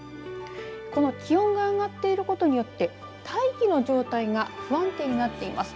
この気温が上がっていることによって大気の状態が不安定になっています。